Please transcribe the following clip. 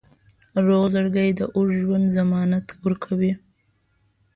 روغ زړګی د اوږد ژوند ضمانت ورکوي.